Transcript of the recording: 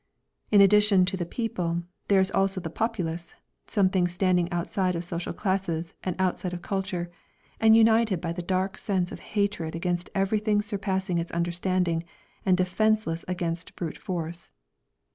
In addition to the people, there is also the "populace," something standing outside of social classes and outside of culture, and united by the dark sense of hatred against everything surpassing its understanding and defenceless against brute force.